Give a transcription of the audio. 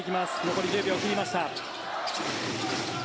残り１０秒切りました。